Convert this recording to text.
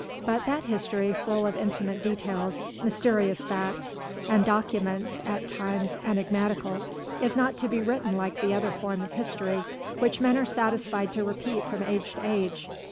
But that history, full of intimate details, mysterious facts, and documents at times enigmatical, is not to be written like the other form of history which men are satisfied to repeat from age to age.